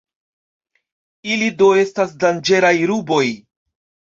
Ili do estas danĝeraj ruboj.